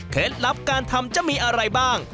ลับการทำจะมีอะไรบ้าง